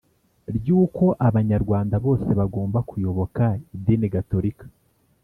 ry'uko abanyarwanda bose bagomba kuyoboka idini gatolika.